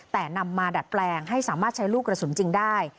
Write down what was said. แต่นำมาดัดแปลงให้สามารถใช้ลูกกระสุนจริงได้